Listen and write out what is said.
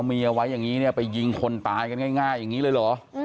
เมียไว้ไปยิงคนตายง่ายอย่างนี้เลยเหรอ